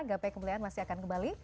gapai kembali lagi kembali